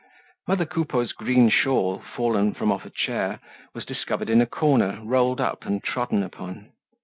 Mother Coupeau's green shawl, fallen from off a chair, was discovered in a corner, rolled up and trodden upon.